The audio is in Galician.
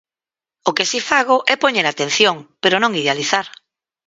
O que si fago é poñer atención, pero non idealizar.